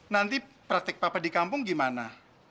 nanti praktik papa di kampung gimana